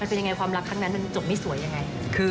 มันเป็นยังไงความรักทางนั้นจะจบไม่สวยยังไง